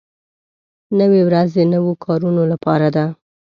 نوې ورځ د نویو کارونو لپاره ده